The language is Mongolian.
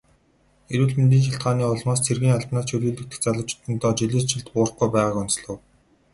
Эрүүл мэндийн шалтгааны улмаас цэргийн албанаас чөлөөлөгдөх залуучуудын тоо жилээс жилд буурахгүй байгааг онцлов.